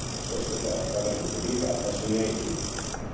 La sua scoperta venne pubblicata su "Nature".